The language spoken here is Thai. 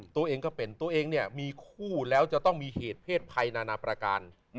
ตัวเองก็เป็นตัวเองเนี่ยมีคู่แล้วจะต้องมีเหตุเพศภัยนานาประการ